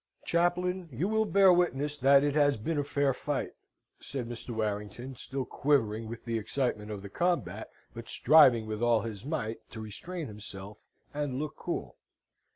"Chaplain, you will bear witness that it has been a fair fight!" said Mr. Warrington, still quivering with the excitement of the combat, but striving with all his might to restrain himself and look cool.